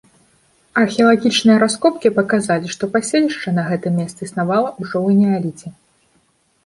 Археалагічныя раскопкі паказалі, што паселішча на гэтым месцы існавала ўжо ў неаліце.